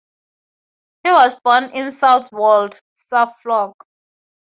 He was born in Southwold, Suffolk.